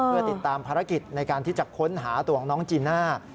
เพื่อติดตามภารกิจในการที่จะค้นหาตัวของน้องจีน่า